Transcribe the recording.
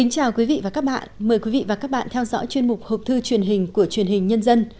chào mừng quý vị đến với bộ phim học thư truyền hình của truyền hình nhân dân